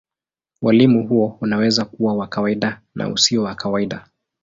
Ualimu huo unaweza kuwa wa kawaida na usio wa kawaida.